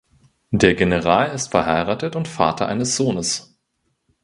Der General ist verheiratet und Vater eines Sohnes.